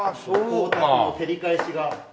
光沢の照り返しが。